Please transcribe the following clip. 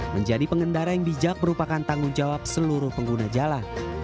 menjadi pengendara yang bijak merupakan tanggung jawab seluruh pengguna jalan